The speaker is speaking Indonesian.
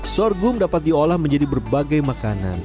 sorghum dapat diolah menjadi berbagai makanan